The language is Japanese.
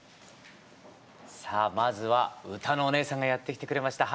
さあまずはうたのおねえさんがやって来てくれました。